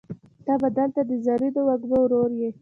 ته به دلته د زرینو وږمو ورور یې